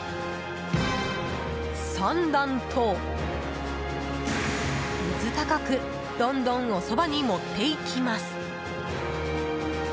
３段と、うず高くどんどんおそばを盛っていきます。